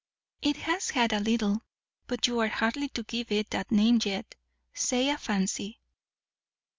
"It has had a little. But you are hardly to give it that name yet. Say, a fancy."